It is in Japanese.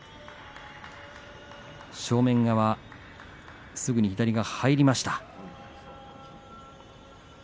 正面側、すぐに左が入りました。